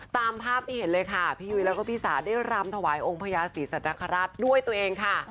ตามภาพที่เห็นเลยค่ะพี่ยุ้ยแล้วก็พี่สาได้รำถวายองค์พญาศรีสัตนคราชด้วยตัวเองค่ะ